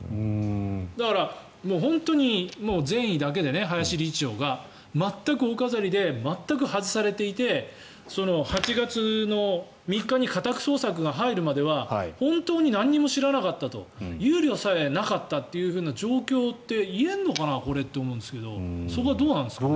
だから、本当に善意だけで林理事長が全くお飾りで全く外されていて８月の３日に家宅捜索が入るまでは本当に何も知らなかったと憂慮さえなかったという状況って言えるのかな、これって思うんですけどそこはどうなんですかね。